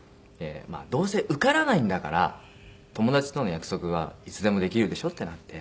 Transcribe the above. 「どうせ受からないんだから友達との約束はいつでもできるでしょ」ってなって。